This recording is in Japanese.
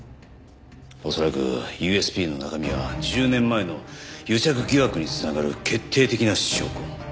恐らくＵＳＢの中身は１０年前の癒着疑惑に繋がる決定的な証拠。